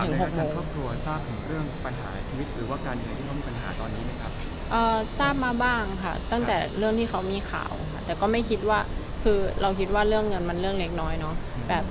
คุยกับที่บ้านเขาก็คุยปกติเลยนะคะเขาไม่ค่อยเล่าถึงปัญหาเท่าไหร่